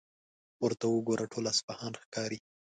ورته وګوره، ټول اصفهان ښکاري.